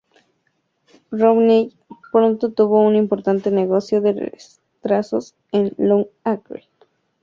Romney pronto tuvo un importante negocio de retratos en Long Acre.